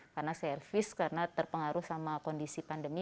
karena servis karena terpengaruh sama kondisi pandemi